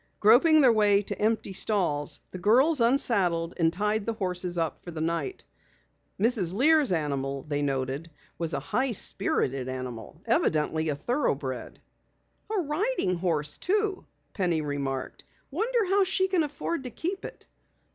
Groping their way to empty stalls, the girls unsaddled and tied the horses up for the night. Mrs. Lear's animal, they noted, was a high spirited animal, evidently a thoroughbred. "A riding horse too," Penny remarked. "Wonder how she can afford to keep it?"